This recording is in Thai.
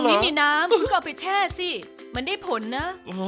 ไม่มีน้ำคุณก็เอาไปแช่สิมันได้ผลนะ